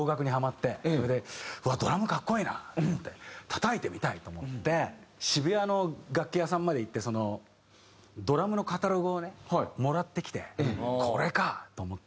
それでうわっドラム格好いいなと思って叩いてみたいと思って渋谷の楽器屋さんまで行ってドラムのカタログをねもらってきてこれか！と思って。